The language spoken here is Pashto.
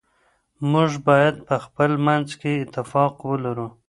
موږ باید په خپل منځ کي اتفاق ولرو.